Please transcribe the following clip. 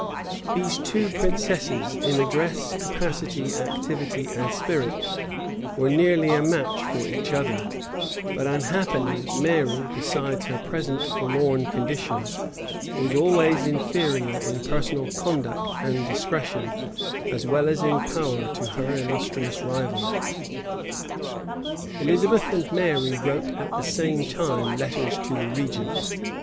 These two princesses, in address, capacity, activity, and spirit, were nearly a match for each other; but unhappily, Mary, besides her present forlorn condition, was always inferior in personal conduct and discretion, as well as in power, to her illustrious rival. Elizabeth and Mary wrote at the same time letters to the regent.